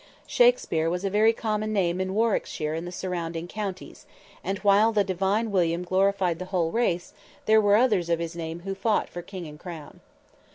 Shakspere was a very common name in Warwickshire and the surrounding counties, and while the "Divine" William glorified the whole race, there were others of his name who fought for king and crown.